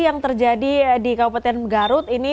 yang terjadi di kabupaten garut ini